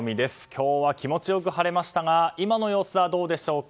今日は気持ち良く晴れましたが今の様子はどうでしょうか。